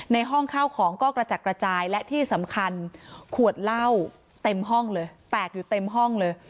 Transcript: ในห้องข้าวของก็กระจัดกระจายและที่สำคัญขวดเหล้าเต็มห้องเลยแตกอยู่เต็มห้องเลย